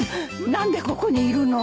何でここにいるの！？